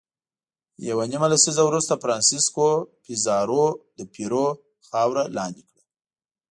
یوه نیمه لسیزه وروسته فرانسیسکو پیزارو د پیرو خاوره لاندې کړه.